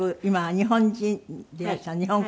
日本国籍でいらっしゃる。